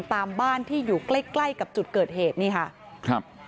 ตามบ้านที่อยู่ใกล้กับจุดเกิดเหตุนี่ค่ะ